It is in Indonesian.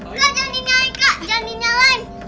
kak jangan di nyalain kak jangan di nyalain